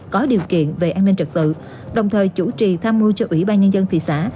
có điều kiện về an ninh trật tự đồng thời chủ trì tham mưu cho ủy ban nhân dân thị xã